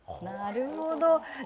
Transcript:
なるほど。